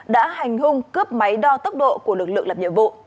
đã hành hung cướp máy đo tốc độ của lực lượng làm nhiệm vụ